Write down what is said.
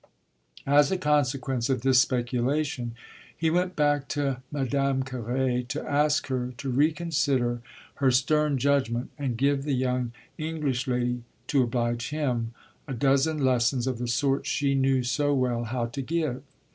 As a consequence of this speculation he went back to Madame Carré to ask her to reconsider her stern judgement and give the young English lady to oblige him a dozen lessons of the sort she knew so well how to give.